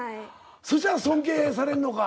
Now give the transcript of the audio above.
そしたら尊敬されんのか。